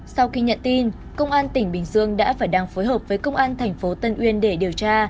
sau khi nhận tin công an tỉnh bình dương đã và đang phối hợp với công an thành phố tân uyên để điều tra